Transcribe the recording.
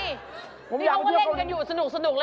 นี่เขาก็เล่นกันอยู่สนุกแล้ว